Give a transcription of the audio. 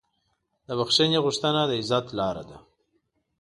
د بښنې غوښتنه د عزت لاره ده.